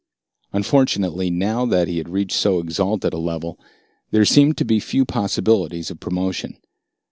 Unfortunately, now that he had reached so exalted a level, there seemed to be few possibilities of promotion.